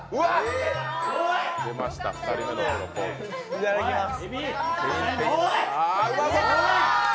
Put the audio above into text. いただきます。